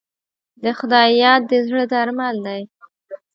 د خدای یاد د زړه درمل دی.